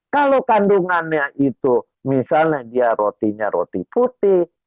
kalau kandungannya itu misalnya dia rotinya roti putih